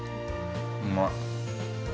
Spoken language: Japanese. うまい。